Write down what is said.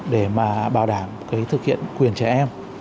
để bảo đảm thực hiện quyền trẻ em